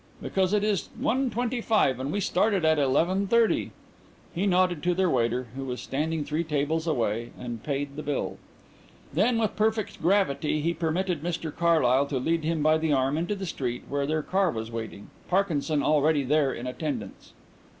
"Because it is one twenty five and we started at eleven thirty." He nodded to their waiter, who was standing three tables away, and paid the bill. Then with perfect gravity he permitted Mr Carlyle to lead him by the arm into the street, where their car was waiting, Parkinson already there in attendance.